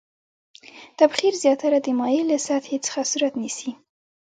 تبخیر زیاتره د مایع له سطحې څخه صورت نیسي.